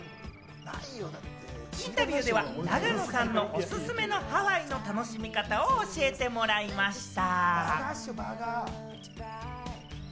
インタビューでは永野さんのおすすめのハワイの楽しみ方を教えてもらいました。